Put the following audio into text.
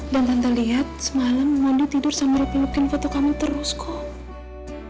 dan tante lihat semalam mondi tidur sambil pelukin foto kamu terus kok